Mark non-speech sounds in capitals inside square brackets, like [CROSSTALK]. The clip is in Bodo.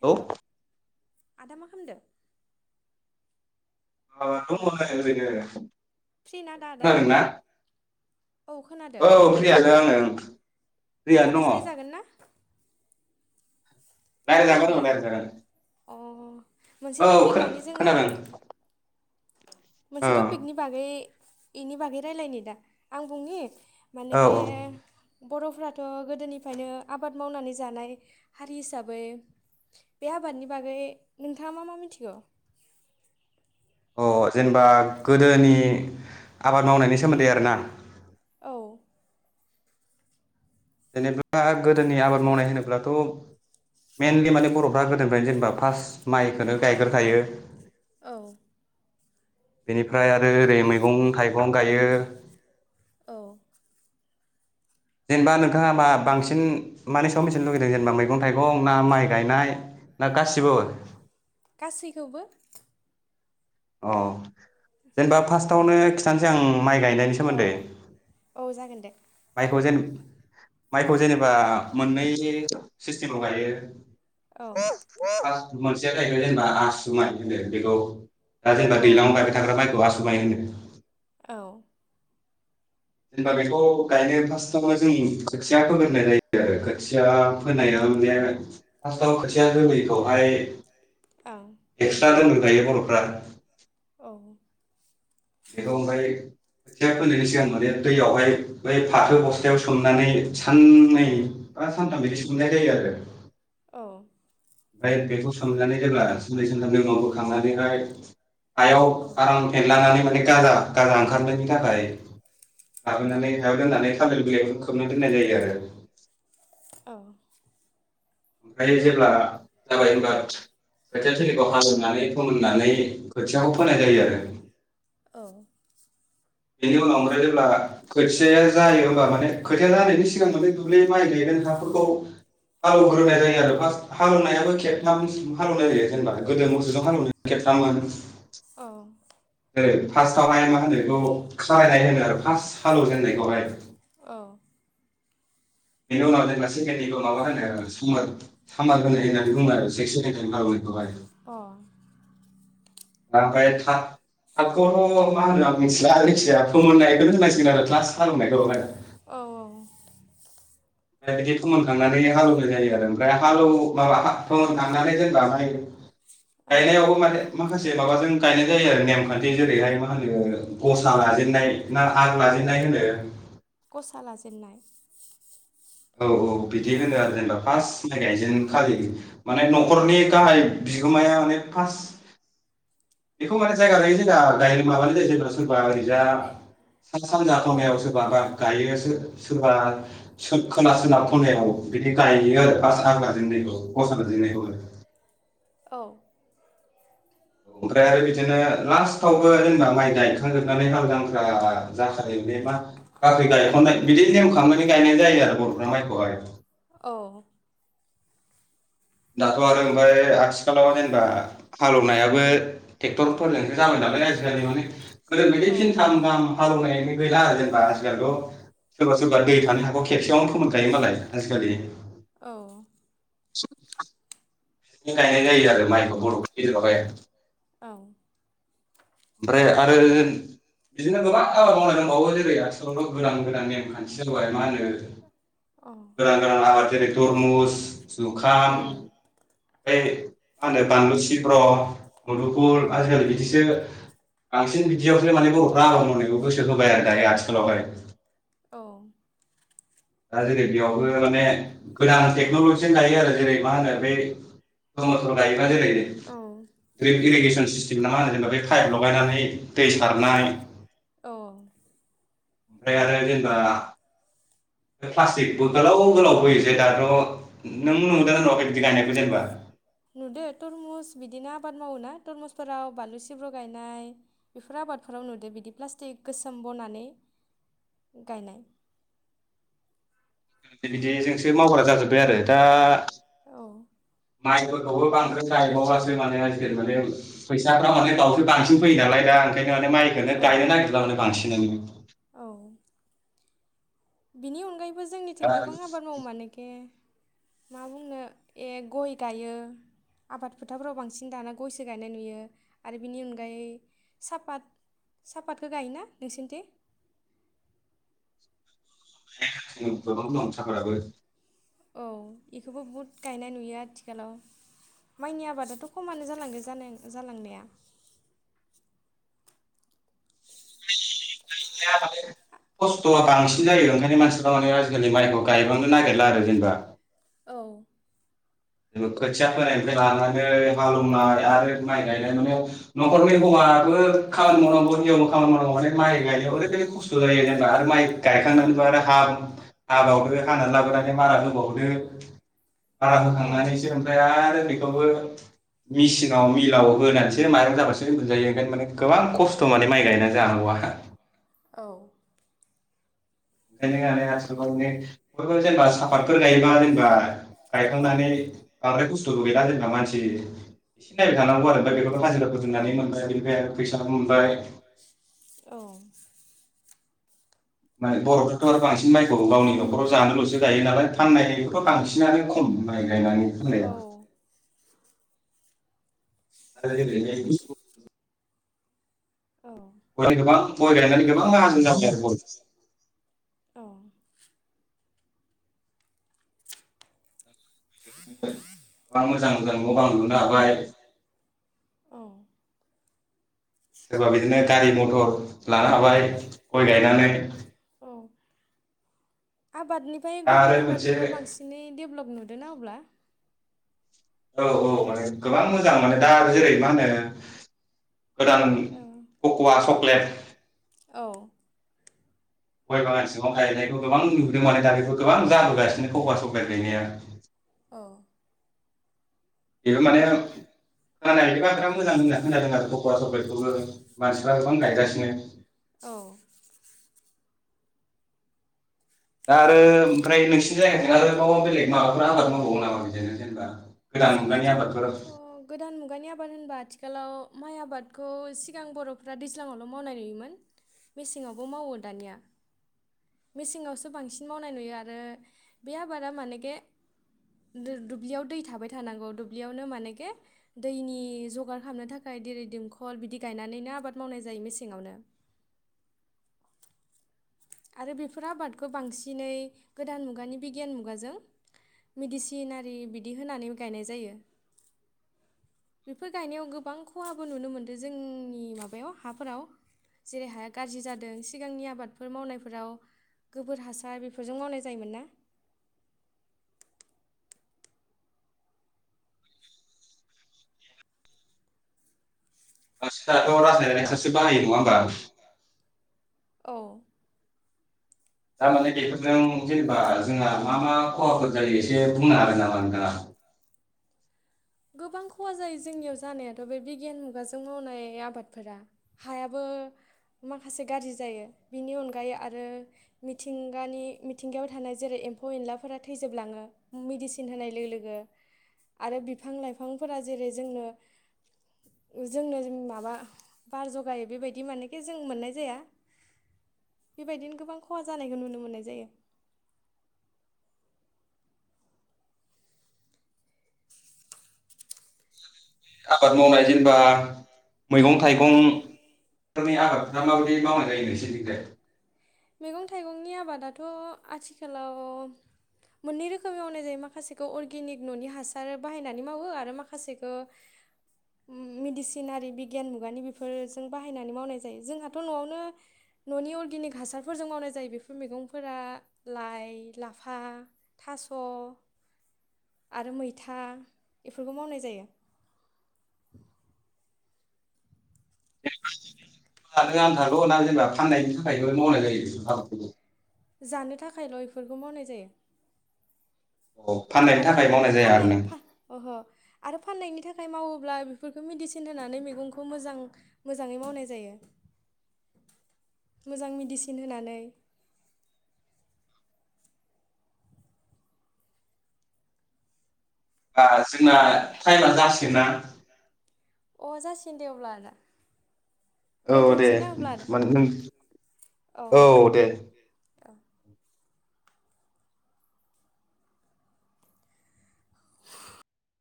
हेल' आदा मा खामदो? [UNINTELLIGIBLE] फ्रि ना दा आदाया खोनादोंना? औ खोनादो औ फ्रिया [UNINTELLIGIBLE] माबा रायज्लाय जागोनना? रालाय जागोन औ खोनादो रालाय जागोन अ। मोनसे टपिक लानि जोङो। औ मोनसे थपिकनि बागै इनि बागै रायलायनो दा आं बुंनि औ मानोखे बर'फ्राथ' गोदोनिफ्रायनो आबाद मावनानै जानाय हारि हिसाबै बे आबादनि बागै नोंथाङा मा मा मिथिगौ? औ अ जेनेबा गोदोनि आबाद मावनायनि सोमोन्दै आरोना औ। जेनेबा गोदोनि आबाद मावनाय होनोब्लाथ' मेनलि माने बर'फ्रा गोदोनिफ्रायनो जेनेबा फासट माइखौनो गायगोरखायो। औ बेनिफ्राय आरो ओरै मैगं थाइगं गायो औ जेनेबा नोंथाङा मा बांसिन मानि सायाव मिथिनो लुगैदों जेनेबा मैगं थाइगं ना माइ गायनाय ना गासिबो गासैखौबो अ। जेनेबा फार्स्टआवनो खिन्थानोसै आं माइ गायनायनि औ सोमोन्दै औ जागोन दे [UNINTELLIGIBLE] माइखौ जेनेबा मोननै सिस्टेमाव गायो। औ [UNINTELLIGIBLE] मोनसेया जाहैबाय जेनेबा आसु माइ होनो बेखौ दा जेनबा औ दैलांआव गायबाय थाग्रा माइखौ आसु माइ होनो। [UNINTELLIGIBLE] औ। जेनेबा बेखौ गायनो फास्टावनो जों खोथिया फोगोरनाय जायो आरो खोथिया [UNINTELLIGIBLE] फास्टाव औ खोथि खोथिया रोङिखौहाय आं एकस्रा दोनग्रो गायो बर'फ्रा उम। बेखौ ओमफ्राय खोथिया फोनायनायनि सिगां माने दैयावहाय बै फाथो बस्थायाव सोमनानै साननै औ बा सानथाम [UNINTELLIGIBLE] जायो आरो। औ। ओमफाय बेखौ सोमनानै जेब्ला सानै सानथामनि उनाव बोखांनानैहाय हायाव औ आराम फेनलानानै गाजा गाजा ओंखारनायनि थाखाय। औ लाबोनानै हायाव दोननानै [UNINTELLIGIBLE] बिलाइखौ खोबना दोननाय जायो आरो‌। औ ओमफ्राय जेब्ला जाबाय होनबा खोथिया थिलिखौ हालेवनानै फोमोननानै खोथियाखौ फोनाय जायो आरो। औ। बेनि उनाव ओमफ्राय जेब्ला खोथिया जायो होमबा माने खोथिया जानायनि सिगां माने दुब्लि माइ गायगोन हाफोरखौ हालौग्रोनाय जायो आरो फास्ट हालौनायाबो खेबथाम हालौनाय जायो जेनेबा गोदो मोसौजों हालौनो खेबथाम मोनो औ जायो फास्टावहाय मा होनो बिखौ खारायनाय होनो आरो फार्स्ट हालौजेननायखौहाय। अ। बेनि उनाव जेनेबा सेकेणडनिखौ माबा होनो सुमोर सामार होनो होननानै बुङो आरो से अ ओमफाय थाब-थाबखौथ' मा होनो आं मिथिला जायखिजाया फोमोननायखौनो होननांसिगोन आरो ग्लास हालौनायखौहाय। औ बिदि फोमोनखांनानै हालौनाय जायो आरो ओमफ्राय हालौ माबा फोमोनखांनानै जेनबाहाय। आं गायनायावबो माने माखासे माबाजों गायनाय जायो आरो नेमखान्थि जेरैहाय मा होनो। गसा लाजेननाय ना आग लाजेन नाय होनो सा लाजेननाय। औ औ बिदि होनो आरो जेनेबा फार्स्ट गायजेन खालि माने औ न'खरनि गाहाय बि जुमाया अनेक फास्ट बेखौ माने जायगा लायै जायगा गाय माबानाय जायो जायफोरा सोरबा ओरैजा सा सानजा औ ख'नायाव सोरबाबा गायोसो सोरबा सोग खोला सोनाब ख'नायाव बिदि गायो आरो फास्ट हा राजेननायनि गसा बादिनो एखौनो औ ओमफ्राय आरो बिदिनो लास्टावबो जेनेबा माइ गायखां जोब हाल जांख्रा जाखायो बे मा बाख्रि गायखनाय बिदि [UNINTELLIGIBLE] गायनाय जायो आरो बर'फ्रा माइखौहाय औ दाथ' आरो ओमफ्राय आथिखालाव जेनेबा हालेवनायाबो ट्रेक्टरफोरजोंसो जाबाय नालाय आइजिलि माने [UNINTELLIGIBLE] बायदि औ फिन [UNINTELLIGIBLE] हालेवनाय गैला आरो जेनेबा आजिखालिथ' सोरबा सोरबा दै थानो हाखौ खेबसेयावनो फोमोनखायो मालाय आजिखालि औ स [INAUDIBLE] गायनो गाय जादों माइखौ बर' [INAUDIBLE] औ ओमफ्राय आरो बिदिनो गोबां आबाद मावनाय दंबावो। जेरै आथिखालावथ' गोदान गोदान नेमखान्थि जाबाय मा होनो गोदान गोदान आबाद जेरै थरमुस जुखाम ओमफ्राय मा होनो बानलु सिब्र' मुदुमफुल आजिखालि बिदिसो बांसिन बिदियावसो माने बर'फ्रा आबाद मावनायखौ गोसो होबाय आरो दायो आथिखालावहाय। औ दा जेरै बेयावबो माने गोदान टेक्न'लजिजों गायो आरो जेरै मा होनो बे मथर गायो औ [UNINTELLIGIBLE] [UNINTELLIGIBLE] सिसतेम नङा जानो बे पाइप लगायनानै दै सारनाय औ ओमफ्राय आरो जेनेबा प्लास्टिकबो गोलाव गोलाव बोयो दाथ' नों नुदों ना नुआखै बिदि गायनायखौ जेनेबा? नुदो तरमुस बिदिनो आबाद मावोना तरमुसफोराव बानलु सिब्र' गायनाय बेफोर आबादफोराव नुदो बिदि प्लास्टिक गोसोम बनानै गायनाय। बिदिजोंसो मावग्रा जाजोब्बाय आरो दा औ माइफोरखौबो बांद्राय गायबवासो माने आजिखालि माने फैसाफ्रा माने दाउसो बांसिन फैयो नालाय दा ओंखाय माइखौनो औ गायनो नागिरलाबानो बांसिन। [INAUDIBLE] [INAUDIBLE] औ बिनि अनगायैबो। जबो जोंनिथिं गोबां आबाद मावो मानोखे। मा बुंनो ए गय गायो आबाद फोथारफोराव बांसिन दाना गयसो गायनाय नुयो आरो बिनि अनगायै सापत सापतखौ गायोना नोंसोरनिथि औ गोबां दं साफाद आबो। औ बेखौबो बुहुद गायनाय नुयो आथिखालाव माइनि आबादाथ' खमानो जालांगो जालांनाया। खस्थ'आ बांसिन जायो ओंखायनो मानसिफ्रा माने आजिखालि माइखौ गायबांनो नागिरला आरो जेनेबा औ। खोथिया फोनायनिफ्राय लानानै हालवनाय आरो माइ गायनाय माने न'खरनि हौवाबो खामानि मावनांगौ हिन्जावबो खामानि मावनांगौ माने माइ गायनायाव ओरैबायदि खस्थ' जायो जेनेबा आरो माइ औ गायखांनानैबो आरो हाह हाबावदो हानानै लाबोनानै मारा होबावदो आरो। औ मानैसो ओमफ्राय आरो। बेखौबो मिेसिनाव मिलाव होनानैसो माइं जाबासो मोनजायो ओाय माने गोबां खस्थ' माने माइ गायना जांगौ आंहा। औ। ओंखायनो आसाम बयबो जेनेबा। पार गायोबा जेनेबा औ गायखांनानै बांद्राय बु सुलु गैला जेनेबा मानसि। [INAUDIBLE] फैसाबो औ मोनबाय। औ। बर'थ्राथ' आरो बांसिन [INAUDIBLE] औ गावनि न'खराव जानोल'सो गायो नालाय फाननायखौथ' बांसिनानो खम नायलायनानै फानलाया। आरो। औ गय गोबां गय गायनानै गोबां माहाजोन जाबोबाय आरो गय। औ [INAUDIBLE] गोबां मोजां मोजां न' बां लुनो हाबाय। औ। सोरबा बिदिनो। गारि मथर लानो हाबाय गय गायनानै। औ आबादनिफ्राय दा गुबुन आरो मोनसे आबादफोराव बांसिनै डेभलप नुद ना अब्ला। औ औ माने। गोबां मोजां माने दा जेरै मा होनो। गोदान कक'वा चक्लेट। औ। गय बागान सिङाव गायनायखौ गोबां नुदों माने दा बेखौ गोबां जाबोगासिनो खखा सक गायनाया। अ। बेबो माने खोनानाय फोरा बां बिराद मोजां होनना होनादों आरो फखरा सख्रिखौबो मानसिफ्रा गोबां गाइ दसनो औ दा आरो ओमफ्राय नोंसिनि जायगाजों आरो मा बेलेग माबाफोरा आबाद मावबावगोन नामा बिदिनो जेनेबा गोदान मुग्रानि आबादफोर जोंनिथिंथ' गोदान मुगानि आबाद होनबा आथिखालाव माइ आबादखौ सिगां बर'फ्रा दैज्लाङावल' मावनाय नुयोमोन मेसेंआवबो मावो दानिया मेसेङावसो बांसिन मावनाय नुयो आरो बे आबादा मानेखे दुब्लियाव दै थाबाय थानांगौ दुब्लियावनो मानेखे दैनि जगार खालामनो थाखाय देरै दंखल बिदि गायनानैनो आबाद मावनाय जायो मेसेङआवनो आरो बेफोर आबादखौ बांसिनै गोदान मुगानि बिगियान मुगाजों मिडिसिनारि बिदि होनानै गायनाय जायो बेफोर गायनायाव गोबां खहाबो नुनो मोनदों जोंनि माबायाव हाफोराव जेरै हाया गाज्रि जादों सिगांनि आबाद बेफोर मावनायफोराव गोबोर हासार बेफोरजों मावनाय जायोमोन ना आ दाथ' राजनायनाय साससे बाहायो नङा होनबा औ थारमाने बेफोरजों जेनेबा जोंहा मा मा खहाफोर जायो एसे बुंनो आरो नामा न दा गोबां खहा जायो जोंनियाव जानायाथ' बे बिगियान मुगाजों मावनाय आबादफोरा हायाबो माखासे गाज्रि जायो बिनि अनगायै आरो मिथिंगानि मिथिंगायाव थानाय जेरै एम्फौ एनलाफोरा थैजोबलाङो मेडिसिन होनाय लोगो लोगो आरो बिफां लाइफांफोरा जेरै जोंनो जोंनो माबा बार जगायो बेबायदि मानेखे जों मोननाय जाया बेबायदिनो गोबां खहा जानायखौ नुनो मोननाय जायो आबाद मावनाय जेनेबा मैगं थाइगंफोरनि आबादफोरा माबायदि मावनाय जायो नोंसोरनि दे मैगं थाइगंनि आबादाथ' आथिखालाव मोननै रोखोमै मावनाय जायो माखासेखौ अर्गेनिक न'नि हासार बाहायनानै मावो आरो माखासेखौ मेडिसिनारि बिगियान मुगानि बे बेजों बायनानै मावनाय जायो जोंहाथ' न'आवनो न'नि अर्गेनिक हासारफोरजों मावनाय जायो बेफोर मैगंफोरा लाइ लाफा थास' आरो मैथा बेफोरखौ मावनाय जायो लादों आं थागौ न जेनबा फाननायनि थाखाय मनो जाय हाब जानो थाखायल' बेफोरखौ मावनाय जायो अ फाननायनि आरो थाखाय फान मावनाय फा जाया आरो ना फाननाय ओह आरो फाननायनि थाखाय मावो ब्ला बेफोरखौ मदिसिनानै होनानै मैगंखौ मोजां मोजाङै मावनाय जायो मोजां मेडसिन होनानै बा जोंना टाइमा जासिगा अ जासिगोन दे अब्ला आदा औ दे दोनथ'नोसै ना अब्ला आदा मान नों औ दे